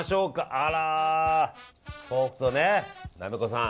あら、豆腐となめこさん。